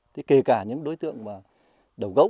thế kể cả những đối tượng mà đầu gấu